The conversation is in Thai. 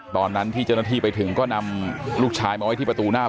ตอนนั้นที่เจ้าหน้าที่ไปถึงก็นำลูกชายมาไว้ที่ประตูหน้า